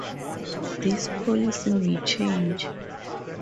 This policy may change.